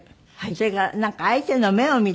それからなんか相手の目を見て？